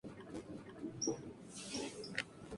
Condado de St.